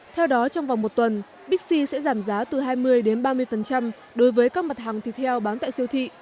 theo đó trong vòng một tuần bixi sẽ giảm giá từ hai mươi đến ba mươi đối với các mặt hàng thịt heo bán tại siêu thị